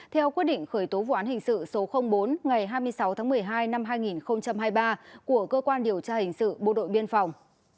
theo quyết định khởi tố vụ án hình sự số bốn ngày hai mươi sáu tháng một mươi hai năm hai nghìn hai mươi ba của cơ quan điều tra hình sự bộ đội biên phòng